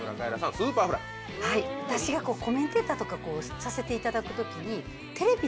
はい私がコメンテーターとかさせていただく時に。